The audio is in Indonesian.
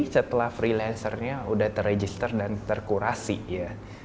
setelah freelancernya udah terregister dan terkurasi ya